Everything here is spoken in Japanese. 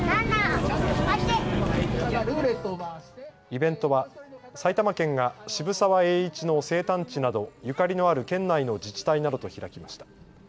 イベントは埼玉県が渋沢栄一の生誕地など、ゆかりのある県内の自治体などと開きました。